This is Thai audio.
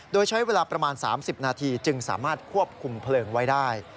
โดยใช้เวลาประมาณ๓๐นาทีจึงสามารถควบคุมเพลิงไว้ได้